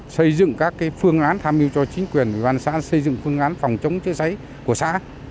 xây dựng các phương án tham nhu cho chính quyền văn xã xây dựng phương án phòng chống chữa cháy của xã